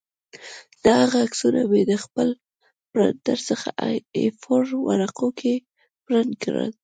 د هغه عکسونه مې د خپل پرنټر څخه اې فور ورقو کې پرنټ کړل